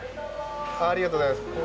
ありがとうございます。